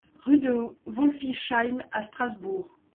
Rue de Wolfisheim à Strasbourg